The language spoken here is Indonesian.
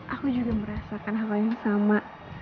aku juga merasakan hal hal yang sama